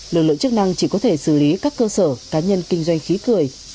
lực lượng chức năng chỉ có thể xử lý các cơ sở cá nhân kinh doanh khí cười